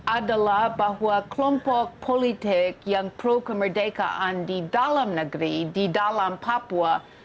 adalah bahwa kelompok politik yang pro kemerdekaan di dalam negeri di dalam papua